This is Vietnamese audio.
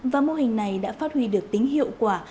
và mô hình này đã phát huy được tính hiệu quả